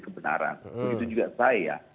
kebenaran begitu juga saya